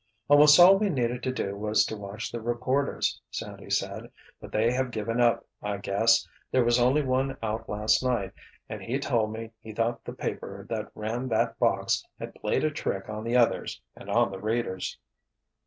"Almost all we needed to do was to watch the reporters," Sandy said. "But they have given up, I guess. There was only one out last night, and he told me he thought the paper that ran that 'box' had played a trick on the others and on the readers."